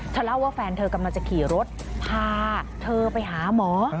เล่าว่าแฟนเธอกำลังจะขี่รถพาเธอไปหาหมอ